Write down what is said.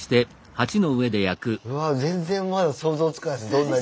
うわ全然まだ想像つかないです